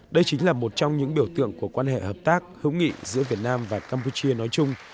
đây chính là một trong những biểu tượng của quan hệ hợp tác hữu nghị giữa việt nam và campuchia nói chung